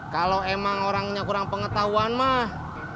kalau emang orangnya kurang pengetahuan mah